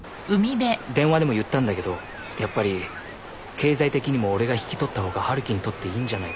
電話でも言ったんだけどやっぱり経済的にも俺が引き取った方が春樹にとっていいんじゃないかな？